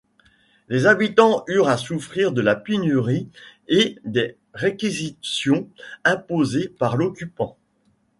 Les habitants eurent à souffrir de la pénurie et des réquisitions imposées par l'occupant.